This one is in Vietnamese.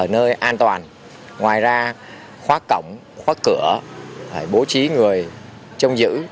nơi an toàn ngoài ra khóa cổng khóa cửa bố trí người trong giữ